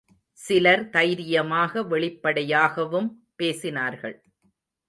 சிலர் தைரியமாக வெளிப்படையாகவும் பேசினார்கள்.